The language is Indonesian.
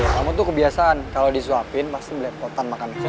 kamu tuh kebiasaan kalau disuapin pasti belepotan makan disini